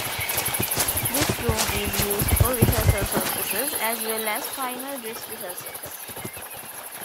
This room is used for rehearsal purposes as well as final dress rehearsals.